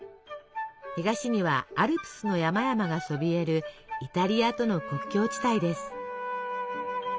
東にはアルプスの山々がそびえるイタリアとの国境地帯です。